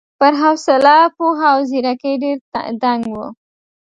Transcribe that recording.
پر حوصله، پوهه او ځېرکۍ ډېر دنګ و.